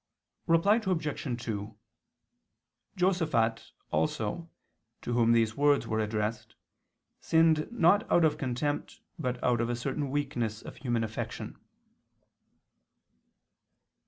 Reply Obj. 2: Josaphat also, to whom these words were addressed, sinned not out of contempt, but out of a certain weakness of human affection.